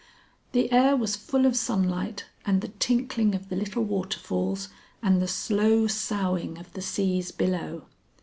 The air was full of sunlight and the tinkling of the little waterfalls and the slow soughing of the seas below.